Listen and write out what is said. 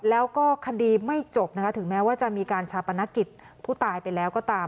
แล้วก็คดีไม่จบนะคะถึงแม้ว่าจะมีการชาปนกิจผู้ตายไปแล้วก็ตาม